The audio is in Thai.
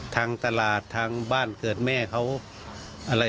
ทางตลาดทางบ้านเกิดแม่เขาอะไร